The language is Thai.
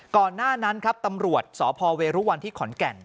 ก่อนหน้านั้นครับตำรวจสพเวรุวันที่ขอนแก่น